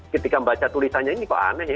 ketika baca tulisannya ini kok aneh ya